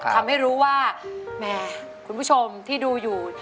ทำให้รู้ว่าแหมคุณผู้ชมที่ดูอยู่